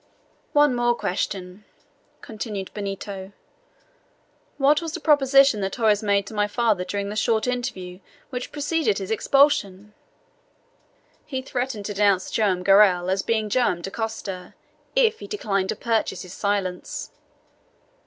"One more question," continued Benito. "What was the proposition that Torres made to my father during the short interview which preceded his expulsion?" "He threatened to denounce Joam Garral as being Joam Dacosta, if he declined to purchase his silence."